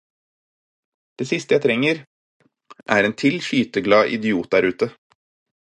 Det siste jeg trenger er en til skyte-glad idiot der ute